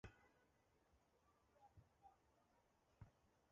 是年秋赴沪升入大同学校就读。